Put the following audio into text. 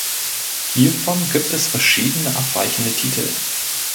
Hiervon gibt es verschiedene abweichende Titel.